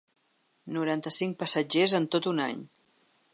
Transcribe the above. Noranta-cinc passatgers en tot un any.